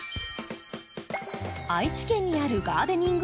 愛知県にあるガーデニング